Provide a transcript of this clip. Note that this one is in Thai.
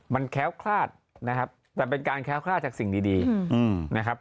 มันแค้วคลาดนะครับแต่เป็นการแค้วคลาดจากสิ่งดีนะครับ